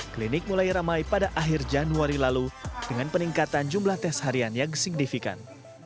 klinik mulai ramai pada akhir januari lalu dengan peningkatan jumlah tes harian yang signifikan